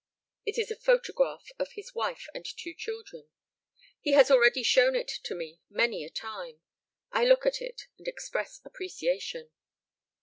It is a photograph of his wife and two children. He has already shown it to me many a time. I look at it and express appreciation.